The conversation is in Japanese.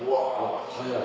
早い。